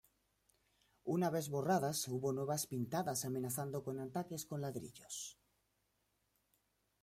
Una vez borradas, hubo nuevas pintadas amenazando con ataques con ladrillos.